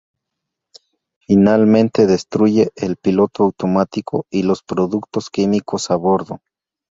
Finalmente destruye el piloto automático y los productos químicos a bordo.